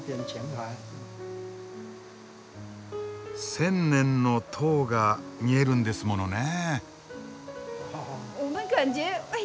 千年の塔が見えるんですものねえ。